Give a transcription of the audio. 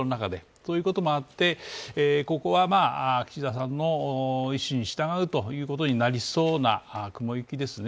そういうこともあってここは岸田さんの意思に従うということになりそうな雲行きですね。